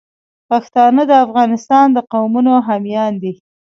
پښتانه د افغانستان د قومونو حامیان دي.